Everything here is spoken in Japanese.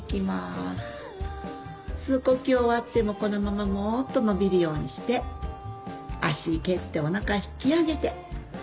吸う呼吸終わってもこのままもっと伸びるようにして足蹴っておなか引き上げて。